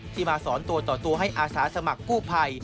มาสอนตัวต่อตัวให้อาสาสมัครกู้ภัย